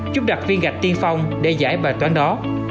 chúc đặt viên gạch tiên phong để giải bài toán đó